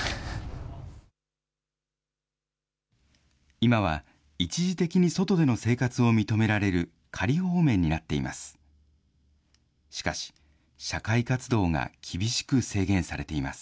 今は一時的に外での生活を認められる仮放免になっています。